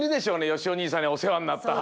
よしお兄さんにおせわになった。